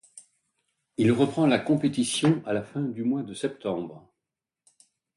Il reprend la compétition à la fin du mois de septembre.